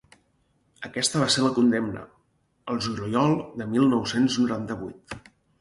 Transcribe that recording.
Aquesta va ser la condemna, el juliol del mil nou-cents noranta-vuit.